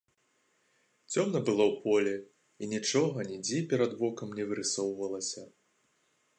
Цёмна было ў полі і нічога нідзе перад вокам не вырысоўвалася.